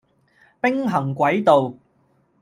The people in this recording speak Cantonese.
兵行詭道